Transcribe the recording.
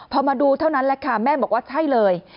พอมาดูเท่านั้นแหละค่ะแม่บอกว่าใช่เลย